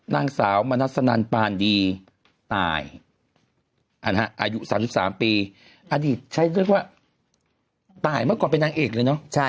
นางสาวมณัสนันปานดีตายอายุ๓๓ปีอดีตใช้ด้วยว่าตายเมื่อก่อนเป็นนางเอกเลยเนอะ